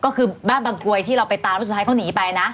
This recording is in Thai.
ก็คือบ้านบางกรวยที่เราไปตามแล้วสุดท้ายเขาหนีไปนะ